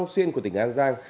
xuyên của tỉnh an giang